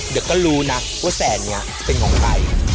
เดี๋ยวก็รู้นะว่าแสนนี้เป็นของใคร